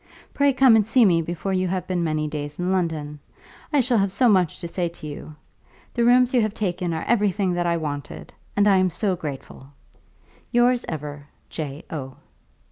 Pray come and see me before you have been many days in London. I shall have so much to say to you! The rooms you have taken are everything that I wanted, and I am so grateful! Yours ever, J. O.